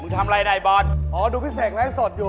มึงทำไรนะไอ้บอลอ๋อดูพี่เสกร้านสดอยู่